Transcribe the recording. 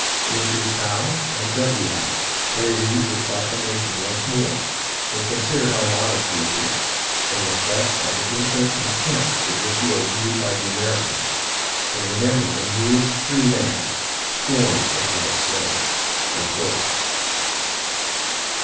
" Messieurs Howe and W. Howe, pray read your procla mation once more, and consider how modest you appear ; and reflect on the infinite contempt with which you are viewed by the Americans, and remember the meanest free man scorns the highest slave."